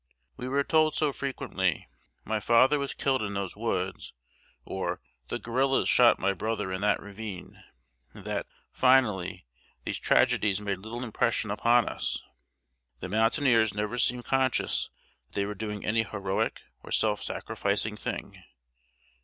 We were told so frequently "My father was killed in those woods;" or, "The guerrillas shot my brother in that ravine," that, finally, these tragedies made little impression upon us. The mountaineers never seemed conscious that they were doing any heroic or self sacrificing thing.